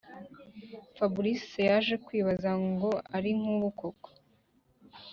fabric yaje kwibaza ngo ariko nkubu koko